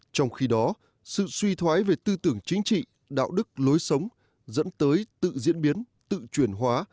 trong khi đó sự suy thoái về tư tưởng chính trị đạo đức lối sống dẫn tới tự diễn biến tự chuyển hóa